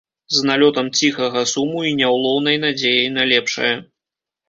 З налётам ціхага суму і няўлоўнай надзеяй на лепшае.